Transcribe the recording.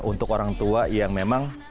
untuk orang tua yang memang